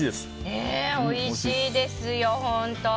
ねえおいしいですよ本当。